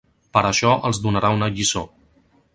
Però això els donarà una lliçó.